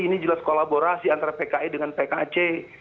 ini jelas kolaborasi antara pki dengan pkc